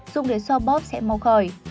dùng để so bóp sẽ mau khỏi